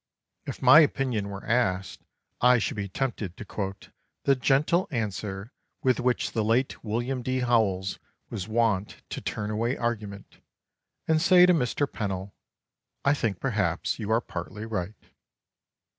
If my opinion were asked I should be tempted to quote the gentle answer with which the late William D. Howells was wont to turn away argument, and say to Mr. Pennell, "I think perhaps you are partly right."